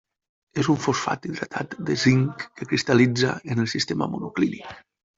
És un fosfat hidratat de zinc que cristal·litza en el sistema monoclínic.